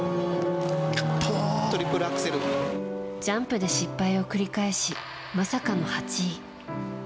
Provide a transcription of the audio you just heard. ジャンプで失敗を繰り返しまさかの８位。